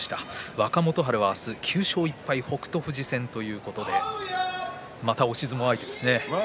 若元春は明日９勝１敗北勝富士戦ということでまた押し相撲相手ですね。